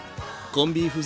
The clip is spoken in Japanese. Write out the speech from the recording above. コンビーフ